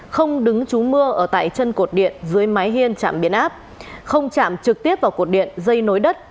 không đứng trú mưa ở tại chân cột điện dưới máy hiên trạm biến áp không chạm trực tiếp vào cột điện dây nối đất